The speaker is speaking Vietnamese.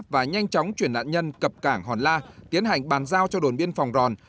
và nhanh chóng chuyển nạn nhân cập cảng hòn la tiến hành bàn giao cho đồn biên phòng ròn